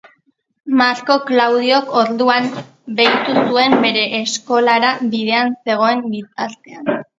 Marko Klaudiok, orduan, bahitu zuen bere eskolara bidean zegoen bitartean.